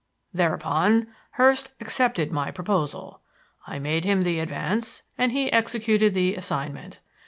"Thereupon, Hurst accepted my proposal; I made him the advance and he executed the assignment.